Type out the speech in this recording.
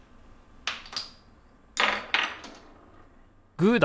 グーだ！